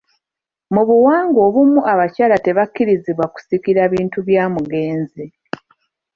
Mu buwangwa obumu abakyala tebakkirizibwa kusikira bintu bya mugenzi.